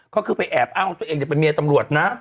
ก็คือไปแอบอ้างว่าตัวเองจะเป็นเมียตำรวจนะ